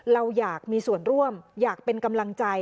เราอยากมีส่วนร่วมอยากเป็นกำลังใจ